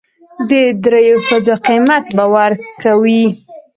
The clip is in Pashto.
د درېو ښځو قيمت به ور کوي.